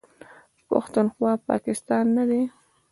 پښتونخوا، پاکستان نه دی.